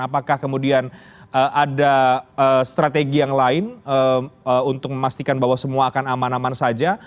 apakah kemudian ada strategi yang lain untuk memastikan bahwa semua akan aman aman saja